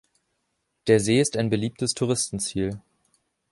Der See ist ein beliebtes Touristenziel.